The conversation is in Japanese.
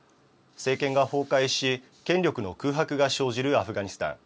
政権が崩壊し、権力の空白が生じるアフガニスタン。